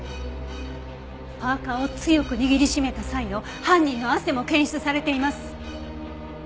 パーカを強く握り締めた際の犯人の汗も検出されています。